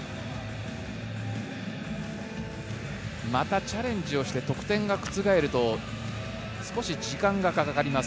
またチャレンジをして得点が覆るとすこし時間がかかります